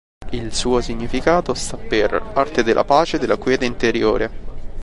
Il suo significato sta per: "Arte della pace, della quiete interiore".